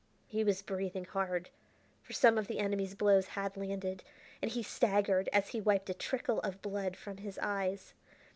He was breathing hard, for some of the enemies' blows had landed, and he staggered as he wiped a trickle of blood from his eyes.